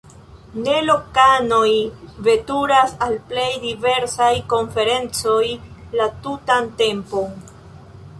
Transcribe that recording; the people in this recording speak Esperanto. Ne, lokanoj veturas al plej diversaj konferencoj la tutan tempon.